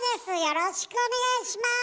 よろしくお願いします！